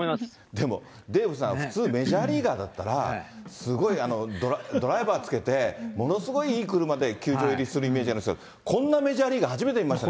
でも、デーブさん、普通、メジャーリーガーだったら、すごいドライバーつけて、ものすごいいい車で球場入りするイメージあるんですけど、こんなメジャーリーガー初めて見ましたよ。